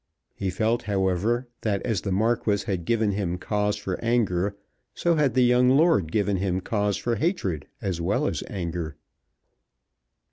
He felt, however, that as the Marquis had given him cause for anger, so had the young lord given him cause for hatred as well as anger.